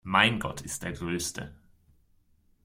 Mein Gott ist der größte!